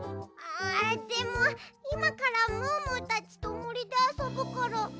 んでもいまからムームーたちともりであそぶから。